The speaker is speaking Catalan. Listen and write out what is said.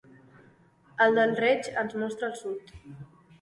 El del Reig ens mostra el sud.